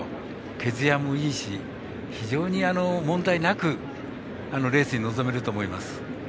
毛づやもいいし非常に問題なくレースに臨めると思います。